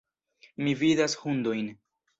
Mi vidas hundojn.